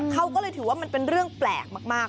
เขาก็เลยถือว่ามันเป็นเรื่องแปลกมาก